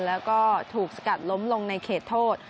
แล้วก็ถูกสกัดล้มลงในเขตโทษ